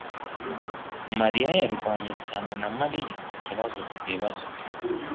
mariya yarwanye cyane na Mariya ikibazo twibaza